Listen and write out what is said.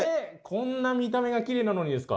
こんな見た目がきれいなのにですか？